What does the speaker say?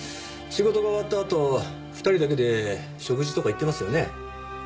仕事が終わったあと２人だけで食事とか行ってますよね？